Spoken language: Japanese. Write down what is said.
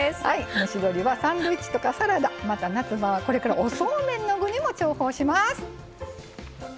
蒸し鶏はサンドイッチとかサラダまた、夏のこれからおそうめんの具にも重宝します。